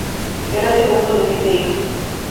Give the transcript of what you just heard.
Era el segundo de siete hijos.